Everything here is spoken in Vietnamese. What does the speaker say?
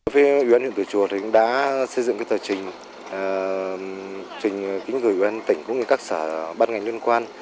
phía huyện huyện tủa chùa đã xây dựng tờ trình kính gửi huyện tỉnh cũng như các xã ban ngành liên quan